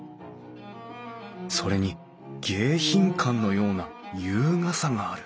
それに迎賓館のような優雅さがある